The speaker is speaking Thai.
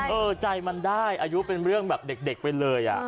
เออใจมันได้อายุเป็นเรื่องแบบเด็กไปเลย